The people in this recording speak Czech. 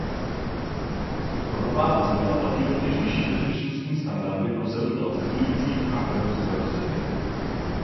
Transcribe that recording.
Pro nová vozidla platí rovněž vyšší bezpečnostní standardy pro sedadla cestujících a pevnost karoserie.